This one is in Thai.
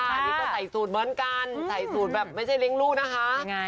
อันนี้ก็ใส่สูตรเหมือนกันใส่สูตรแบบไม่ใช่เลี้ยงลูกนะคะ